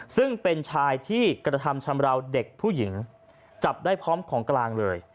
ซึ่งเป็นชายที่กระทำชำราวเด็กผู้หญิงจับได้พร้อมของกลางเลย